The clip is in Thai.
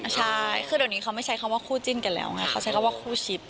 ใช่คือเดี๋ยวนี้เขาไม่ใช้คำว่าคู่จิ้นกันแล้วไงเขาใช้คำว่าคู่ชิป